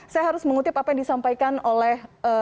saya harus mengutip apa yang disampaikan oleh